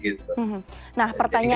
jadi kita sulit melihat ini